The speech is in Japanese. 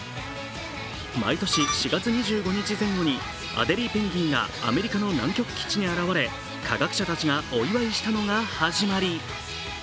毎年４月２５日前後にアデリーペンギンがアメリカの南極基地に現れ科学者たちがお祝いしたのが始まり。